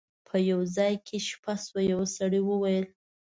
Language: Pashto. په یو ځای کې یې شپه شوه یو سړي وویل.